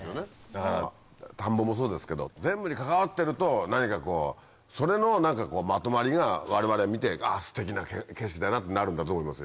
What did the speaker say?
だから田んぼもそうですけど全部に関わってると何かこうそれのまとまりが我々見てあステキな景色だなってなるんだと思いますよ。